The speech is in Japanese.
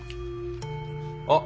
・あっ。